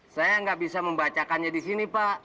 saya nggak bisa membacakannya di sini pak